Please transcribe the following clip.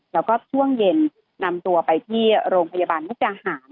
แล้วก็ช่วงเย็นนำตัวไปที่โรงพยาบาลมุกดาหาร